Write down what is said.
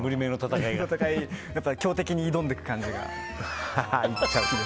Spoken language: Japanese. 強敵に挑んでいく感じが。